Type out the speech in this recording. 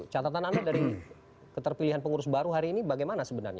catatan anda dari keterpilihan pengurus baru hari ini bagaimana sebenarnya